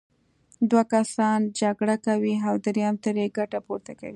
دوه کسان جګړه کوي او دریم ترې ګټه پورته کوي.